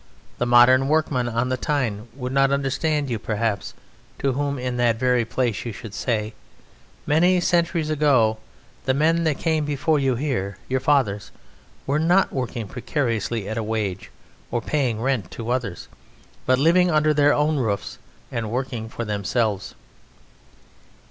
The modern workman on the Tyne would not understand you perhaps, to whom in that very place you should say, "Many centuries ago the men that came before you here, your fathers, were not working precariously at a wage, or paying rent to others, but living under their own roofs and working for themselves."